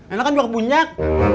enak kan buah bunyak